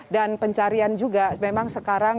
dan pencarian juga memang sekarang